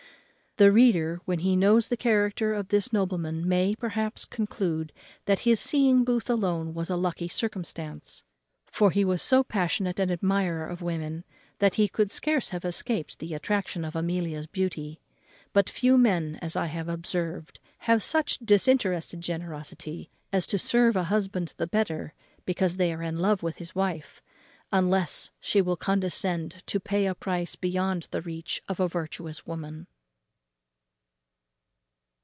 The reader, when he knows the character of this nobleman, may, perhaps, conclude that his seeing Booth alone was a lucky circumstance, for he was so passionate an admirer of women, that he could scarce have escaped the attraction of Amelia's beauty. And few men, as I have observed, have such disinterested generosity as to serve a husband the better because they are in love with his wife, unless she will condescend to pay a price beyond the reach of a virtuous woman.